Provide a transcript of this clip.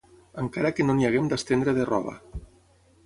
Encara que no n'hi haguem d'estendre de roba